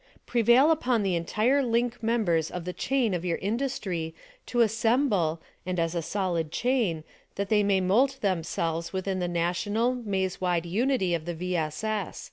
Prevail upon the entire link members of the chain of your industry to as semble, and as a solid chain, that they may mould themselves within the national, maze wide unity of the V. S. S.